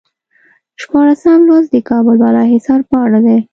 شپاړسم لوست د کابل بالا حصار په اړه دی.